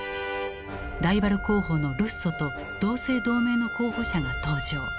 ライバル候補のルッソと同姓同名の候補者が登場。